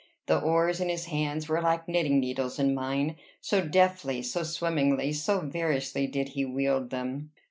The oars in his hands were like knitting needles in mine, so deftly, so swimmingly, so variously, did he wield them.